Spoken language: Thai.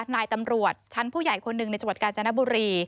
นายตำรวจชั้นผู้ใหญ่คนหนึ่งในจังหวัดกาญจนบุรี